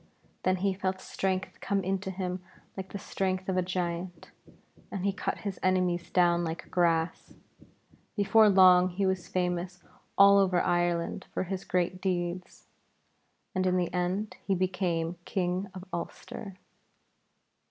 Then he felt strength come into him like the strength of a giant, and he cut his enemies down like grass. Before long he was famous all over Ireland for his great deeds, and in the end he became King of Ulster.